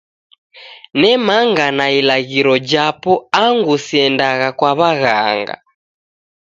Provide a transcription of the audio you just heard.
Nemanga na ilaghiro japo angu siendaa kwa w'aghanga.